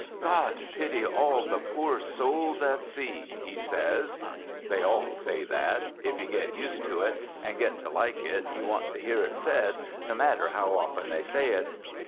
"God pity all the poor souls at sea!" he says. (They all say that. If you get used to it, and get to like it, you want to hear it said, no matter how often they say it.)